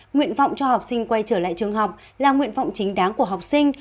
nguyện vọng cho học sinh quay trở lại trường học là nguyện vọng chính đáng của học sinh